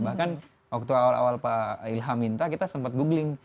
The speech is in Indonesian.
bahkan waktu awal awal pak ilham minta kita sempat googling